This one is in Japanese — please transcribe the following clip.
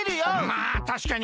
まあたしかに。